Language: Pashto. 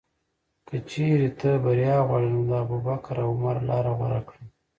که چېرې ته بریا غواړې، نو د ابوبکر او عمر لاره غوره کړه.